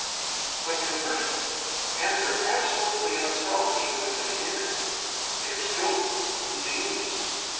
But conversely, ants are absolutely unselfish within the community. They are skilful. Ingenious.